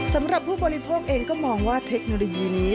สำหรับผู้บริโภคเองก็มองว่าเทคโนโลยีนี้